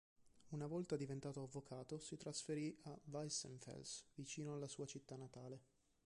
Una volta diventato avvocato si trasferì a Weissenfels, vicino alla sua città natale.